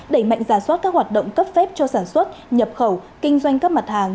đẩy mạnh giả soát các hoạt động cấp phép cho sản xuất nhập khẩu kinh doanh các mặt hàng